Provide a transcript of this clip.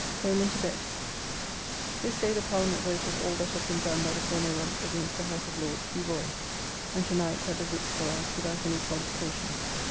Home and to bed. This day the Parliament voted all that had been done by the former Rump against the House of Lords be void, and to night that the writs go out without any qualification.